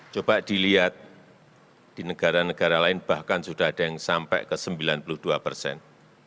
coba dilihat di negara negara lain bahkan sudah ada yang sampai ke sembilan puluh dua persen